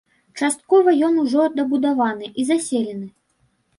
Часткова ён ужо дабудаваны і заселены.